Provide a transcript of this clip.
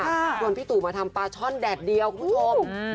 ชวนพี่ตู่มาทำปลาช่อนแดดเดียวคุณผู้ชม